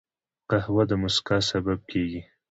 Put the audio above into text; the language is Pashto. قهوه د مسکا سبب کېږي